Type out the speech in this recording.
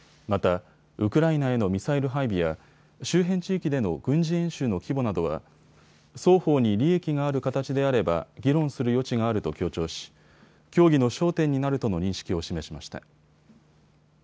また、ウクライナへのミサイル配備や周辺地域での軍事演習の規模などは双方に利益がある形であれば議論する余地があると強調し協議の焦点になるとの認識を示しました。